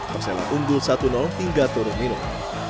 persela unggul satu hingga turun minum